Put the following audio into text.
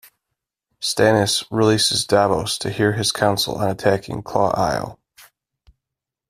Stannis releases Davos to hear his counsel on attacking Claw Isle.